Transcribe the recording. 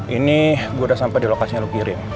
ini gue udah sampai di lokasinya lu kirim